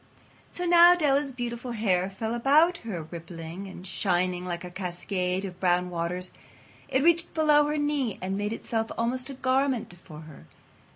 So now Della's beautiful hair fell about her rippling and shining like a cascade of brown waters. It reached below her knee and made itself almost a garment for her.